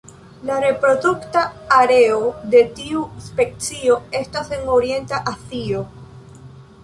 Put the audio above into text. La reprodukta areo de tiu specio estas en Orienta Azio.